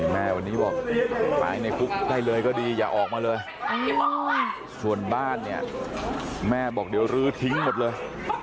แม่วันนี้บอกตายในคุกได้เลยก็ดีอย่าออกมาเลยส่วนบ้านเนี่ยแม่บอกเดี๋ยวรื้อทิ้งหมดเลย